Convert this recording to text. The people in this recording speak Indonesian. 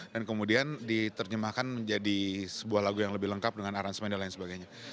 dan kemudian diternyamakan menjadi sebuah lagu yang lebih lengkap dengan aransemen dan lain sebagainya